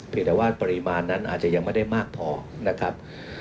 แต่ว่าปริมาณนั้นอาจจะยังไม่ได้มากพอนะครับ